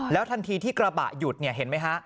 แล้วทันทีที่กระบะหยุดเห็นไหมฮะ